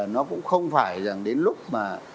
nó cũng không phải rằng đến lúc mà